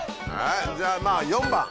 じゃあまぁ４番。